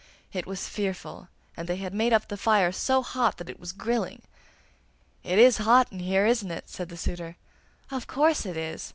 It was fearful, and they had made up the fire so hot that it was grilling. 'It is hot in here, isn't it!' said the suitor. 'Of course it is!